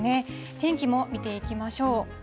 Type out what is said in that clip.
天気も見ていきましょう。